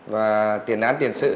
và tiền án tiền sự